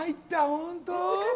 本当？